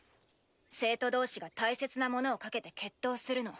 生徒同士が大切なものを賭けて決闘するの。